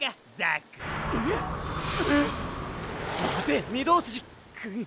⁉待て御堂筋くん。